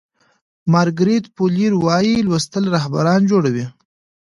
مارګریت فو لیر وایي لوستل رهبران جوړوي.